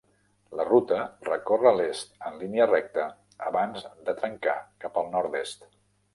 La ruta recorre l'est en línia recta abans de trencar cap al nord-est.